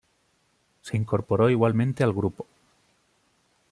Se incorporó igualmente al grupo.